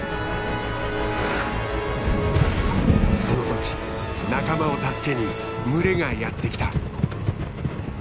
その時仲間を助けに群れがやって来た。